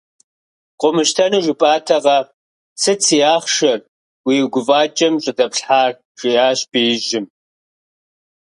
Къыумыщтэну жыпӀатэкъэ, сыт си ахъшэр уи гуфӀакӀэм щӀыдэплъхьар? - жиӀащ беижьым.